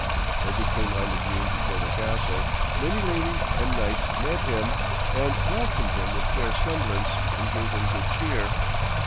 As he came on the green before the castle, many ladies and knights met him and welcomed him with fair semblance, and gave him good cheer.